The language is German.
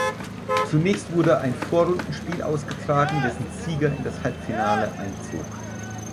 Zunächst wurde ein Vorrundenspiel ausgetragen, dessen Sieger in das Halbfinale einzog.